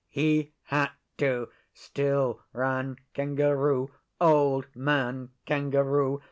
He had to! Still ran Kangaroo Old Man Kangaroo.